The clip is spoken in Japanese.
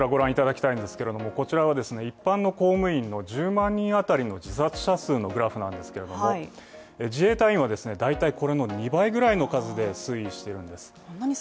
こちらは一般の公務員の１０万人当たりの自殺者数のグラフなんですが自衛隊員は、大体これの２倍ぐらいの数で推移しているんです。